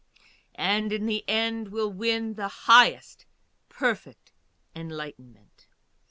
AND IN THE END WILL WIN HIGHEST PERFECT ENLIGHTENMENT.